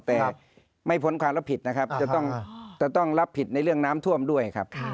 แต่ไม่พ้นความรับผิดนะครับจะต้องรับผิดในเรื่องน้ำท่วมด้วยครับ